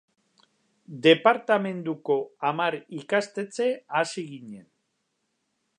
Departamenduko hamar ikastetxe hasi ginen.